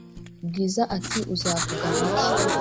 bwiza ati"uzavuga ngwiki?"